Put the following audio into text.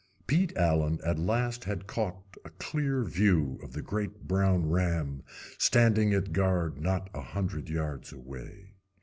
Pete Allen at last had caught a clear view of the great brown ram standing at guard not a hundred yards away.